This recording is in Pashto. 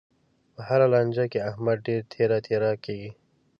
په هره لانجه کې، احمد ډېر تېره تېره کېږي.